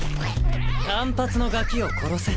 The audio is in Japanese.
短髪のガキを殺せ。